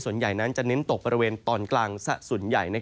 ส่วนใหญ่นั้นจะเน้นตกบริเวณตอนกลางส่วนใหญ่